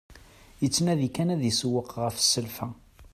Yettnadi kan ad isewweq ɣef selfa.